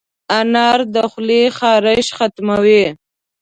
انار د خولې خارش ختموي.